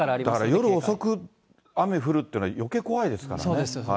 夜遅く雨降るというのはよけい怖いですからね。